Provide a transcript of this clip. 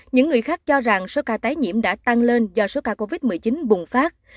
những người khác cho rằng số ca tái nhiễm đã tăng lên do số ca covid một mươi chín bùng phát